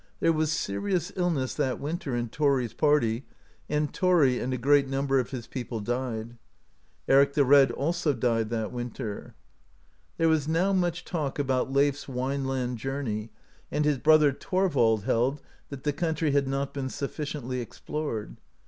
There was serious illness that winter in Thori's party, and Thori and a great number of his people died. Eric the Red also died that winter. There was now much talk about Leif s Wineland journey, and his brother, Thorvald, held that the country had not been sufficiently explored.